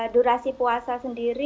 durasi puasa sendiri